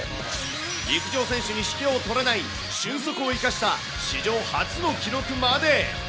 陸上選手に引けを取らない俊足を生かした史上初の記録まで。